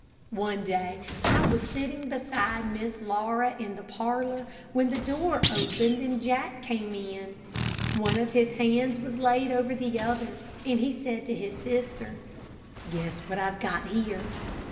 One day I was sitting beside Miss Laura in the parlor, when the door opened and Jack came in. One of his hands was laid over the other, and he said to his sister, "Guess what I've got here."